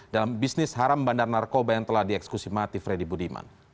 dalam bisnis haram bandar narkoba yang telah dieksekusi mati freddy budiman